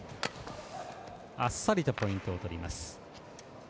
あっさりとポイントを取ります。